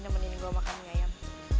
nemenin gue makan mie ayam